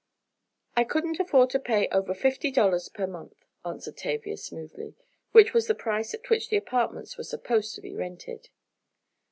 "I couldn't afford to pay over fifty dollars per month," answered Tavia smoothly, which was the price at which the apartments were supposed to be rented.